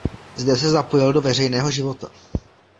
Zde se zapojil do veřejného života.